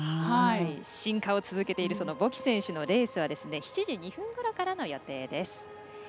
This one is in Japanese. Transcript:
進化を続けているボキ選手のレースは７時２分ごろからの予定です。